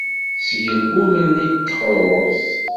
Sgel ul-nni n teqṛuṛt.